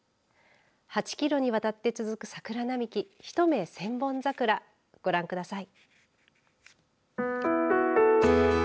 ８キロにわたって続く桜並木一目千本桜ご覧ください。